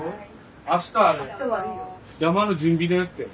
明日はね山車の準備だよって。